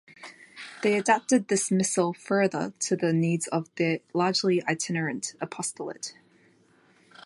They adapted this missal further to the needs of their largely itinerant apostolate.